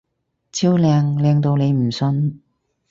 超靚！靚到你唔信！